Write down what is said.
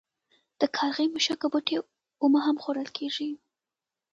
د کارغي مښوکه بوټی اومه هم خوړل کیږي.